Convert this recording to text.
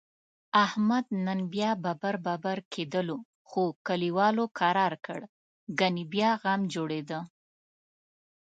احمد نن بیا ببر ببر کېدلو، خو کلیوالو کرارکړ؛ گني بیا غم جوړیدا.